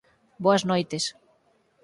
Boas noites!